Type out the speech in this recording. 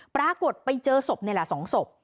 ปรากฏไปเจอศพในละสองศพ